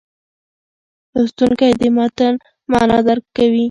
لوستونکی د متن معنا درک کوي.